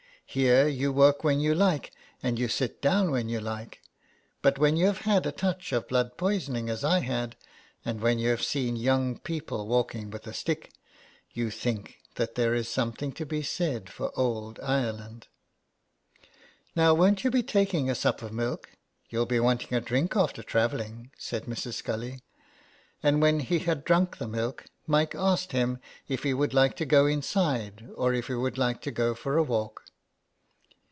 Here you work when you like and you sit down when you like ; but when you have had a touch of blood poisoning as I had, and when you have seen young people walking with a stick, you think that there is something to be said for old Ireland." '' Now won't you be taking a sup of milk ? You'll be wanting a drink after travelling," said Mrs. Scully. And when he had drunk the milk Mike asked him if he would like to go inside or if he would like to go for a walk.